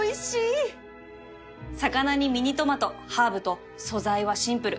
魚にミニトマトハーブと素材はシンプル